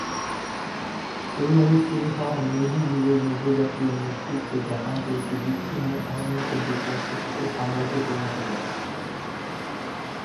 এইভাবে শুরু হওয়া মেইজি যুগের নব্য জাতীয় নেতৃত্ব জাপানকে একটি বিচ্ছিন্ন, অনুন্নত দ্বীপরাষ্ট্র থেকে সাম্রাজ্যে পরিণত করে।